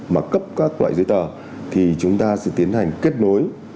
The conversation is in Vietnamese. mà cấp các loại giấy tờ thì chúng ta sẽ tiến hành kết nối